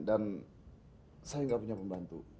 dan saya gak punya pembantu